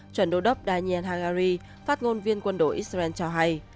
chuyển đối đốc daniel hagari phát ngôn viên quân đội israel cho hay